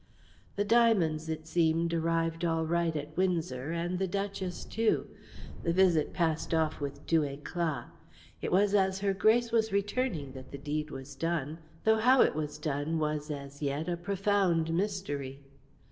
The diamonds, it seemed, arrived all right at Windsor, and the duchess too. The visit passed off with due éclat. It was as Her Grace was returning that the deed was done, though how it was done was, as yet, a profound mystery.